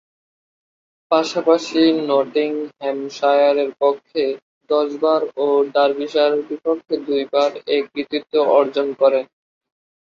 পাশাপাশি নটিংহ্যামশায়ারের পক্ষে দশবার ও ডার্বিশায়ারের বিপক্ষে দুইবার এ কৃতিত্ব অর্জন করেন।